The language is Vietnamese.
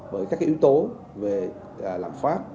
với các yếu tố về lạc pháp